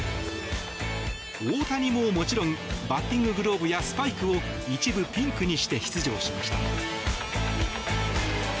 大谷も、もちろんバッティンググローブやスパイクを一部ピンクにして出場しました。